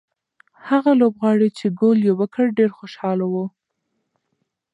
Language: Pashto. هغه لوبغاړی چې ګول یې وکړ ډېر خوشاله و.